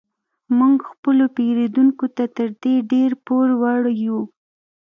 موږ خپلو پیرودونکو ته تر دې ډیر پور وړ یو